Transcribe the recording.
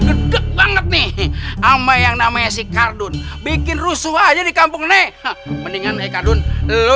gedeg banget nih ama yang namanya si kardun bikin rusuh aja di kampung nih mendingan eh kardun lo